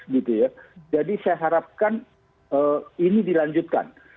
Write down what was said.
jadi saya harapkan ini dilanjutkan